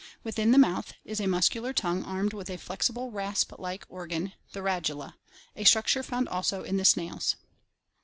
Within the mouth is a muscular tongue armed with a flexible rasp like organ, the radula, a structure found also in the snails.